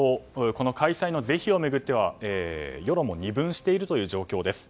この開催の是非を巡っては世論も二分しているという状況です。